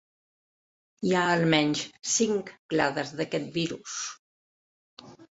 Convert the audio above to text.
Hi ha almenys cinc clades d'aquest virus.